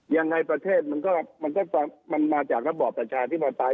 ยังไงประเทศมันก็มันมาจากระบอบประชาธิปไตย